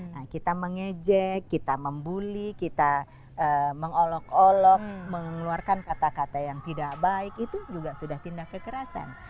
nah kita mengejek kita membuli kita mengolok olok mengeluarkan kata kata yang tidak baik itu juga sudah tindak kekerasan